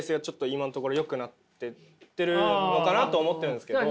今のところよくなってってるのかなと思ってるんですけど。